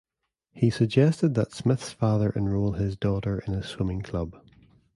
He suggested that Smith's father enroll his daughter in a swimming club.